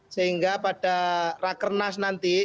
sehingga pada rakernas nanti